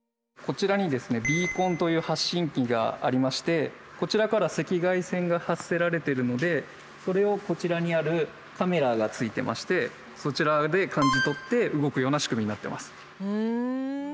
こちらにですね「ビーコン」という発信器がありましてこちらから赤外線が発せられてるのでそれをこちらにあるカメラがついてましてそちらで感じ取って動くような仕組みになってます。